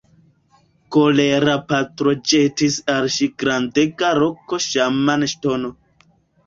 Kolera patro ĵetis al ŝi grandega roko Ŝaman-ŝtono.